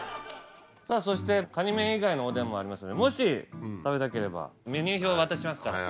さぁそしてカニ面以外のおでんもありますのでもし食べたければメニュー表を渡しますから。